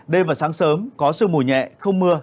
đêm và sáng sớm có sương mùi nhẹ không mưa